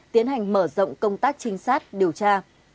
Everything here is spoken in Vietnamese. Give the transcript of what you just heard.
tiến hành mở rộng công tác trinh sát điều tra